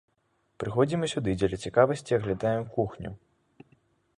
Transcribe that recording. Прыходзім і сюды, дзеля цікавасці аглядаем кухню.